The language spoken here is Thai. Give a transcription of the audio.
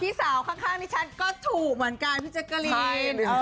พี่สาวข้างดิฉันก็ถูกเหมือนกันพี่แจ๊กกะลีน